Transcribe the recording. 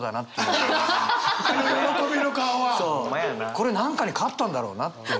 これ何かに勝ったんだろうなっていう。